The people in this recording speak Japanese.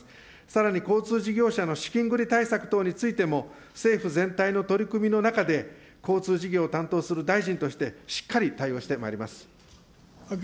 さらに交通事業者の資金繰り対策等についても、政府全体の取り組みの中で、交通事業を担当する大臣として、しっかり対応してまいります。